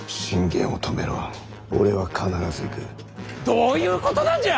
どういうことなんじゃ！